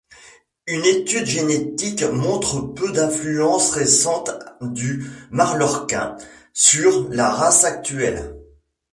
Une étude génétique montre peu d'influence récente du Mallorquín sur la race actuelle.